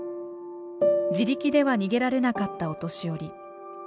自力では逃げられなかったお年寄り。